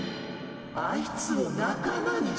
あいつを仲間にしろ。